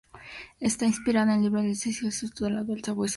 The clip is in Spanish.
Está inspirada en el libro de Felix Salten titulado "El sabueso de Florencia".